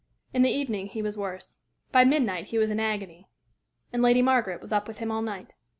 In the evening he was worse. By midnight he was in agony, and Lady Margaret was up with him all night.